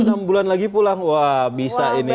enam bulan lagi pulang wah bisa ini